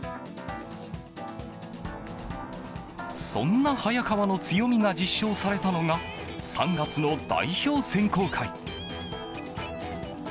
そんな早川の強みが実証されたのが３月の代表選考会。